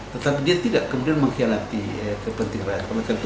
tetapi dia tidak kemudian mengkhianati kepentingan rakyat